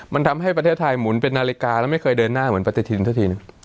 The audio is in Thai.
มันทำให้ประเทศไทยหมุนเป็นนาฬิกาแล้วไม่เคยเดินหน้าเหมือนปฏิทินสักทีนึง